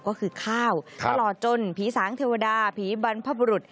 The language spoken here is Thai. ก็คือข้าวตลอดจนผีสางเทวดาผีบรรพบุรุษ